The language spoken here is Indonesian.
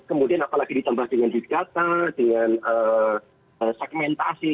kemudian apalagi ditambah dengan big data dengan segmentasi